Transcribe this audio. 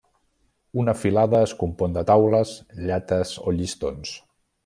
Una filada es compon de taules, llates o llistons.